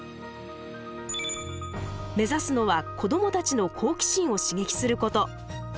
目指すのは子どもたちの好奇心を刺激すること。